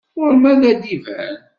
Ɣur-m ad d-iban.